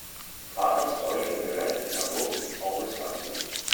Radner's story can be read in her book, "It's Always Something".